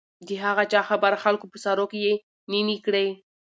د هغه چا خبره خلکو په سروو کې يې نينې کړې .